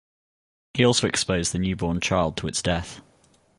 He also exposed the newborn child to its death.